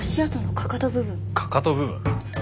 かかと部分？